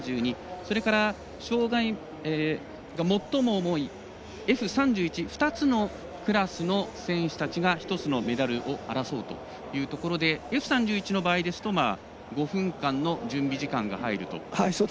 それから障がいが最も重いＦ３１２つのクラスの選手たちが１つのメダルを争うというところでＦ３１の場合ですと５分間の準備時間が入ると。